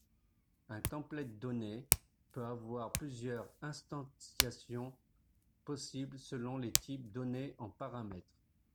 Un template donné peut avoir plusieurs instanciations possibles selon les types donnés en paramètres.